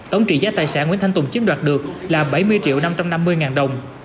tổng trị giá tài sản nguyễn thanh tùng chiếm đoạt được là bảy mươi triệu năm trăm năm mươi ngàn đồng